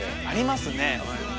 ありますね。